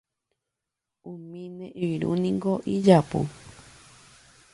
Umi ne irũniko ijapu.